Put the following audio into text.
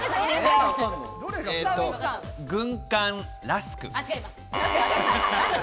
軍艦ラスク。